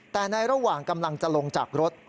แต่ในระหว่างกำลังจะลงจากรถ